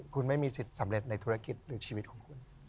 คุณไม่มีสิทธิ์สำเร็จในธุรกิจหรือชีวิตของคุณ